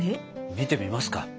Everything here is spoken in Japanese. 見てみますか。